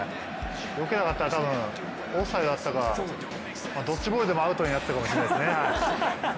よけなかったら多分オフサイドだったかアウトになったかもしれないですね。